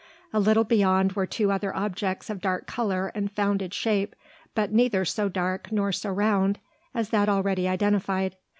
A little beyond were two other objects of dark colour and founded shape; but neither so dark nor so round as that already identified.